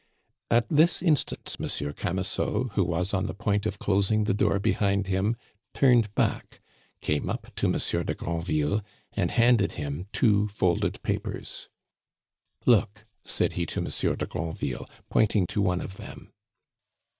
At this instant Monsieur Camusot, who was on the point of closing the door behind him, turned back, came up to Monsieur de Granville, and handed him two folded papers. "Look!" said he to Monsieur de Granville, pointing to one of them.